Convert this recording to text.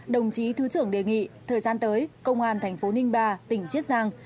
đồng chí thứ trưởng đề nghị thời gian tới công an thành phố ninh ba tỉnh chiết giang